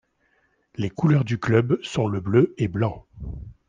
Les couleurs du club sont le bleu et blanc.